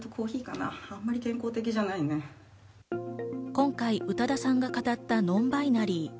今回、宇多田さんが語ったノンバイナリー。